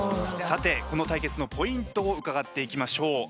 さてこの対決のポイントを伺っていきましょう。